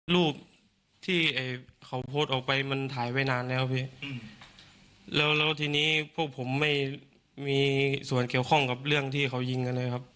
รูปที่เขาโพสต์ออกไปมันถ่ายไว้นานแล้วพี่แล้วแล้วทีนี้พวกผมไม่มีส่วนเกี่ยวข้องกับเรื่องที่เขายิงกันเลยครับ